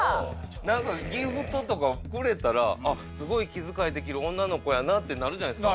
何かギフトとかくれたらすごい気遣いできる女の子やなってなるじゃないですか。